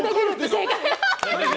正解！